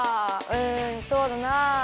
うんそうだな。